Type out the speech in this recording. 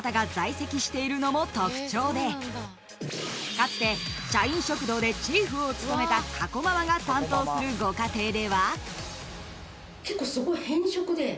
［かつて社員食堂でチーフを務めたかこママが担当するご家庭では］